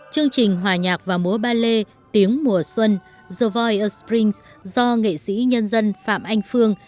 chương trình hòa nhạc và múa ballet tiếng mùa xuân the voice of springs do nghệ sĩ nhân dân phạm anh phương